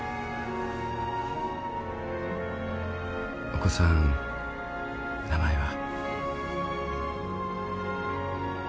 お子さん名前は？